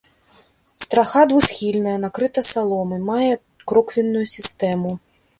Страха двухсхільная, накрыта саломай, мае кроквенную сістэму.